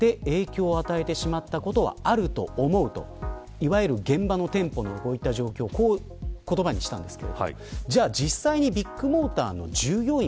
いわゆる現場の店舗の状況をこういった言葉にしました。